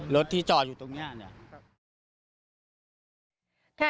รถที่เจาะอยู่ตรงนี้